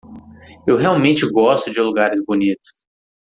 eu realmente gosto de lugares bonitos